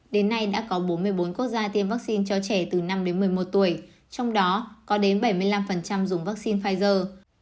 đến nay đã có bốn mươi bốn quốc gia tiêm vaccine cho trẻ từ năm đến một mươi một tuổi trong đó có đến bảy mươi năm dùng vaccine pfizer